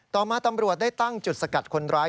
ต่อมาตำรวจได้ตั้งจุดสกัดคนร้าย